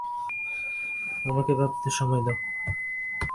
আমাকে ভাবতে সময় দাও।